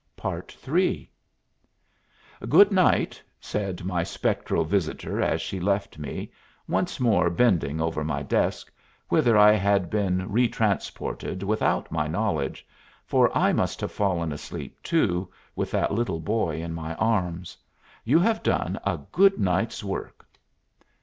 III "Good night," said my spectral visitor as she left me, once more bending over my desk, whither I had been re transported without my knowledge, for I must have fallen asleep, too, with that little boy in my arms. "You have done a good night's work."